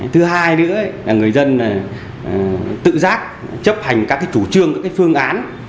thứ hai nữa là người dân tự giác chấp hành các chủ trương các phương án